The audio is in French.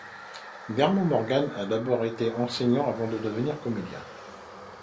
Dermot Morgan a d'abord été enseignant avant de devenir comédien.